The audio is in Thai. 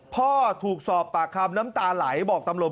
พ่อถูกสอบปากคำน้ำตาไหลบอกตำรวจ